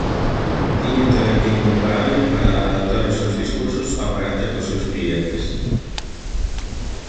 Tiña un talento incomparábel para adaptar os seus discursos ao carácter dos seus clientes.